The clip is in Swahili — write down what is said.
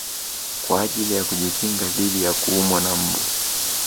Kwa ajili ya kujikinga dhidi ya kuumwa na mbu